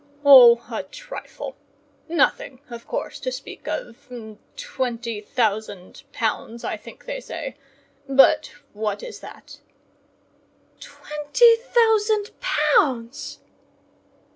"Oh, a trifle! Nothing of course to speak of—twenty thousand pounds, I think they say—but what is that?" "Twenty thousand pounds?"